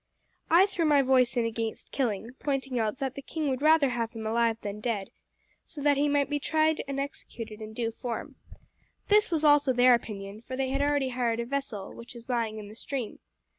I threw my voice in against killing, pointing out that the king would rather have him alive than dead, so that he might be tried and executed in due form. This was also their opinion, for they had already hired a vessel which is lying in the stream.